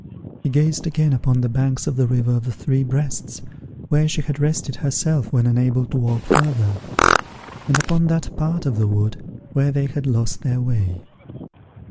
He gazed again upon the banks of the river of the Three Breasts, where she had rested herself when unable to walk further, and upon that part of the wood where they had lost their way.